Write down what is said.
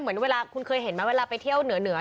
เหมือนเวลาคุณเคยเห็นไหมเวลาไปเที่ยวเหนือ